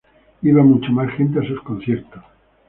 Iba mucha más gente a sus conciertos.